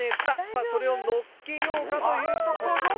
さあそれをのっけようかというところ。